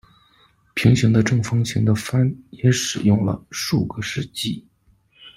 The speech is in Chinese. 平行的正方形的帆也使用了数个世纪。